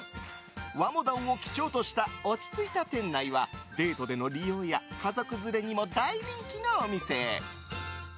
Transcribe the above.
和モダンを基調とした落ち着いた店内はデートでの利用や家族連れにも大人気のお店。